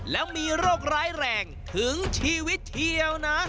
แล้วมีโรคร้ายแรงถึงชีวิตเชียวนะ